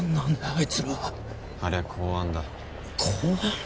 あいつらありゃ公安だ公安？